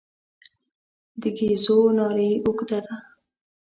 د ګېزو ناوې اوږده ده.